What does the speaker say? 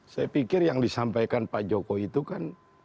saya pikir yang disampaikan pak jokowi itu kan